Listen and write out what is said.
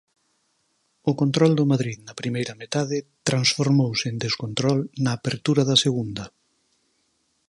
O control do Madrid da primeira metade transformouse en descontrol na apertura da segunda.